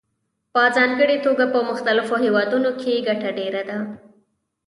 په ځانګړې توګه په پرمختللو هېوادونو کې ګټه ډېره ده